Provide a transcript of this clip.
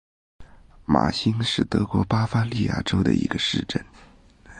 马兴是德国巴伐利亚州的一个市镇。